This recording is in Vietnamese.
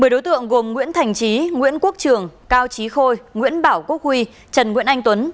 một mươi đối tượng gồm nguyễn thành trí nguyễn quốc trường cao trí khôi nguyễn bảo quốc huy trần nguyễn anh tuấn